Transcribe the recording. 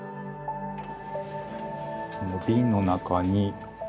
このビンの中に。